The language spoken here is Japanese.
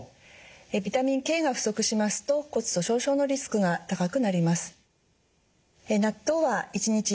ビタミンＫが不足しますと骨粗しょう症のリスクが高くなります。